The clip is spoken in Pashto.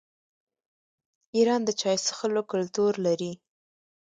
ایران د چای څښلو کلتور لري.